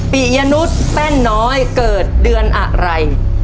ปียนุษย์แป้นน้อยเกิดเดือนอะไร